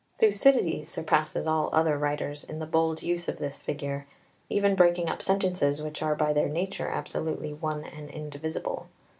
3 Thucydides surpasses all other writers in the bold use of this figure, even breaking up sentences which are by their nature absolutely one and indivisible.